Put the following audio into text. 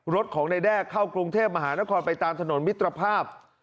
รถของนายแด้เข้ากรุงเทพมหานครไปตามถนนมิตรภาพ